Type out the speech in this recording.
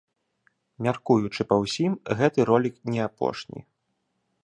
Мяркуючы па ўсім, гэты ролік не апошні.